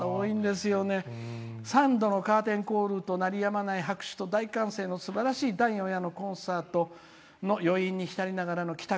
三度の「カーテン・コール」と鳴り止まない拍手と大歓声のすばらしい第四夜のコンサートの余韻に浸りながらの帰宅